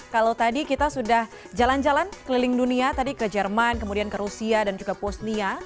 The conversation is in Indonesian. kalau tadi kita sudah jalan jalan keliling dunia tadi ke jerman kemudian ke rusia dan juga bosnia